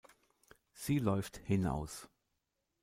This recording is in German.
Sie läuft hinaus.